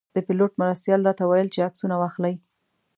د پیلوټ مرستیال راته ویل چې عکسونه واخلئ.